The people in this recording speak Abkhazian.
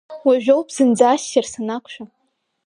Уажәоуп зынӡа ассир санақәшәа.